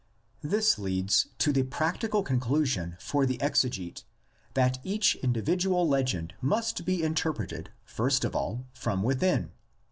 This leads to the practical conclusion for the exe gete that each individual legend must be interpreted first of all from within.